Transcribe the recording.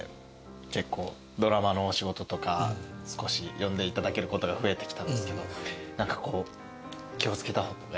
結構ドラマのお仕事とか少し呼んでいただけることが増えてきたんですけど何かこう気を付けた方がいいこととかありますか？